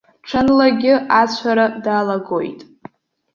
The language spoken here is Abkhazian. Ҽынлагьы ацәара далагоит.